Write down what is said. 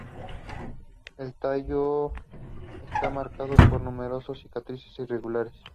El tallo está marcado por numerosos cicatrices irregulares.